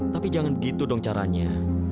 tapi jangan begitu dong caranya